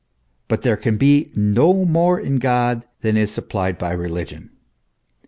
But there can be no more in God, than is supplied by religion.